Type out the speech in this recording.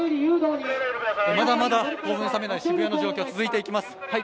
まだまだ興奮冷めない渋谷の状況続いていきます。